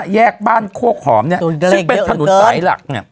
แยกบ้านโคกหอมซึ่งเป็นถนนสายหลัก